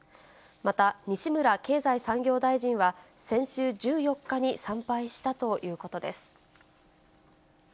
また、西村経済産業大臣は、先週１４日に参拝したということです。